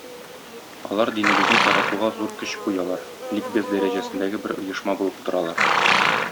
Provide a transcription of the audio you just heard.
Алар динебезне таратуга зур көч куялар, "ликбез" дәрәҗәсендәге бер оешма булып торалар.